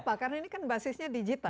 apa karena ini kan basisnya digital